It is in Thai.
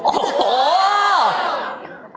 โอ้โห